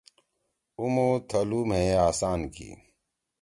عُمُو تھَلُو مھیئے اسان کی